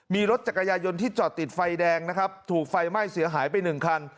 มีรถจักรยายนที่จอดติดไฟแดงนะครับถูกไฟไหม้เสียหายไปหนึ่งคัน